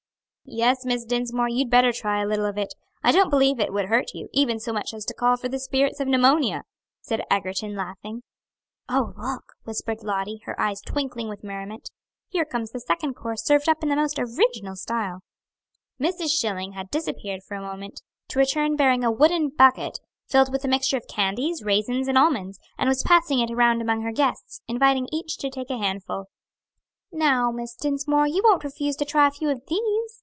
"Yes, Miss Dinsmore, you'd better try a little of it; I don't believe it would hurt you, even so much as to call for the spirits of pneumonia," said Egerton, laughing. "Oh, look!" whispered Lottie, her eyes twinkling with merriment, "here comes the second course served up in the most original style." Mrs. Schilling had disappeared for a moment, to return bearing a wooden bucket filled with a mixture of candies, raisins and almonds, and was passing it around among her guests, inviting each to take a handful. "Now, Miss Dinsmore, you won't refuse to try a few of these?"